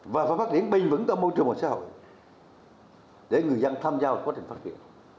và phải phát triển bình vững ra môi trường và xã hội để người dân tham gia quá trình phát triển